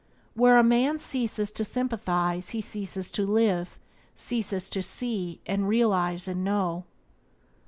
Where a man ceases to sympathize he ceases to live, ceases to see and realize and know.